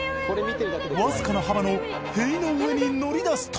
わずかな幅の塀の上に乗り出すと。